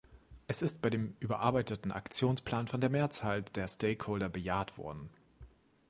Es ist bei dem überarbeiteten Aktionsplan von der Mehrzahl der stakeholder bejaht worden.